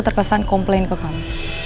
terkesan komplain ke kamu